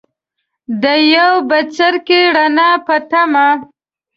د یو بڅرکي ، رڼا پۀ تمه